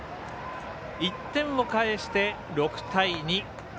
１点を返して、６対２。